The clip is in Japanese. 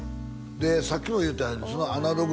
でさっきも言うたように「アナログ」